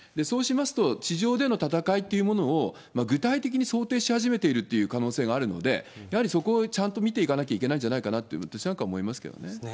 そうしますと、地上での戦いというものを、具体的に想定し始めてるという可能性があるので、やはりそこをちゃんと見ていかなきゃいけないんじゃないかなと、そうですね。